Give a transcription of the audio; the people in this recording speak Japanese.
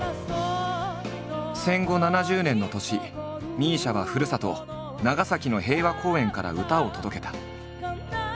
戦後７０年の年ＭＩＳＩＡは故郷長崎の平和公園から歌を届けた。